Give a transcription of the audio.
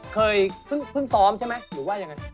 เคยเพิ่งซ้อมใช่ไหมหรือว่ายังไง